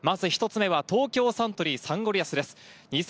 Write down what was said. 東京サントリーサンゴリアスです。